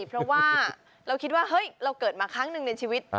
เพราะว่าเราคิดว่าเฮ้ยเราเกิดมาครั้งหนึ่งในชีวิต